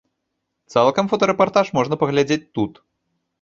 Цалкам фотарэпартаж можна паглядзець тут.